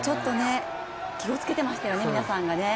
気をつけていましたよね、皆さんがね。